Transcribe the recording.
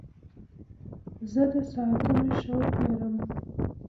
زه د ساعتونو شوق لرم.